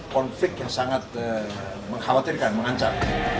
konflik yang sangat mengkhawatirkan mengancam